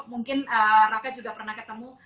mungkin raka juga pernah ketemu